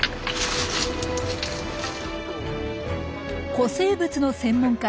古生物の専門家